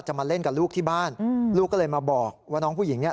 มาเล่นกับลูกที่บ้านลูกก็เลยมาบอกว่าน้องผู้หญิงเนี่ย